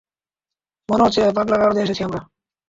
মনে হচ্ছে পাগলাগারদে এসেছি আমরা!